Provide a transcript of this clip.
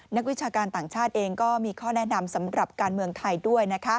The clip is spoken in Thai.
นักวิชาการต่างชาติเองก็มีข้อแนะนำสำหรับการเมืองไทยด้วย